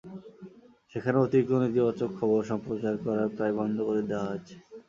সেখানে অতিরিক্ত নেতিবাচক খবর সম্প্রচার করা প্রায় বন্ধ করে দেওয়া হয়েছে।